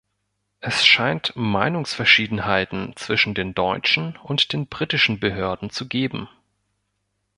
Es scheint Meinungsverschiedenheiten zwischen den deutschen und den britischen Behörden zu geben.